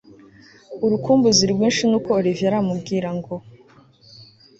urukumbuzi rwinshi nuko Olivier aramubwira ngo